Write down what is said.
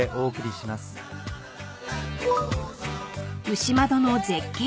［牛窓の絶景